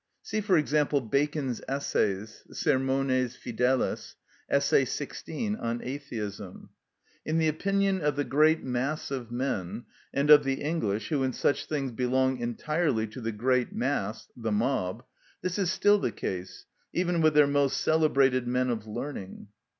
See, for example, Bacon's Essays (sermones fideles), Essay 16, on Atheism. In the opinion of the great mass of men, and of the English, who in such things belong entirely to the great mass (the mob), this is still the case, even with their most celebrated men of learning.